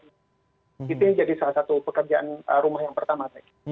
itu yang jadi salah satu pekerjaan rumah yang pertama